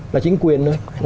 là chính quyền thôi